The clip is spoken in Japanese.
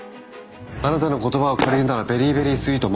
あなたの言葉を借りるならベリーベリースイート。